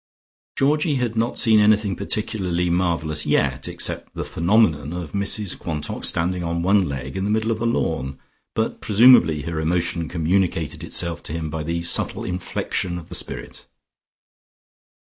Georgie had not seen anything particularly marvellous yet, except the phenomenon of Mrs Quantock standing on one leg in the middle of the lawn, but presumably her emotion communicated itself to him by the subtle infection of the spirit.